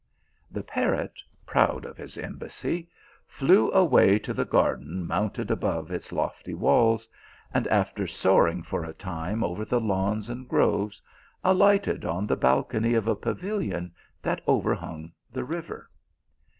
The parrot, proud of his embassy, flew away to the garden, mounted above its lofty walls, and, after soaring for a time over the lawns and groves, alighted on the balcony of a pavilion that overhung the river.